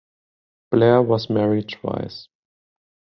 Blair was married twice.